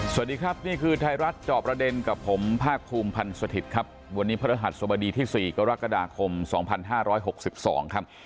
สวัสดีครับนี่คือไทยรัฐจอบประเด็นกับผมภาคภูมิพันธ์สถิตย์ครับวันนี้พระรหัสสบดีที่๔กรกฎาคม๒๕๖๒ครับ